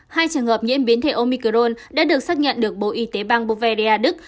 hai trường hợp nhiễm biến thể omicron đã được xác nhận được bộ y tế bang bovedia đức